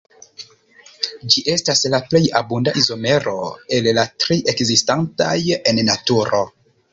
Ĝi estas la plej abunda izomero el la tri ekzistantaj en naturo.